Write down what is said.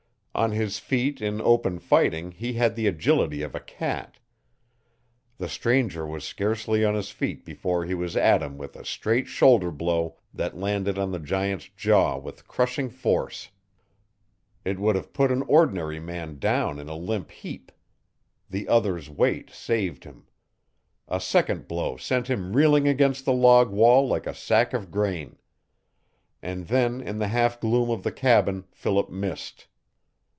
On his feet in open fighting he had the agility of a cat. The stranger was scarcely on his feet before he was at him with a straight shoulder blow that landed on the giant's jaw with crushing force. It would have put an ordinary man down in a limp heap. The other's weight saved him. A second blow sent him reeling against the log wall like a sack of grain. And then in the half gloom of the cabin Philip missed.